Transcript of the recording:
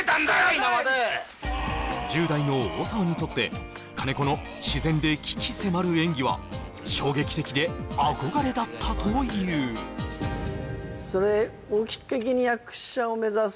今まで１０代の大沢にとって金子の自然で鬼気迫る演技は衝撃的で憧れだったという全くなんですよね